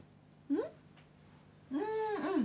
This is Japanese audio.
うん。